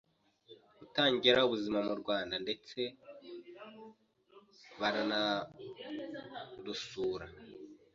gutangira ubuzima mu Rwanda ndetse baranarusura.